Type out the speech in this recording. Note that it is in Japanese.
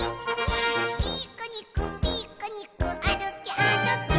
「ピクニックピクニックあるけあるけ」